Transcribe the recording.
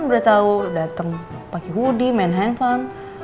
udah tahu datang pakai hoodie main handphone